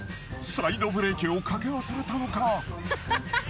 サイドブレーキをかけ忘れたのか。